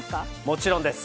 もちろんです。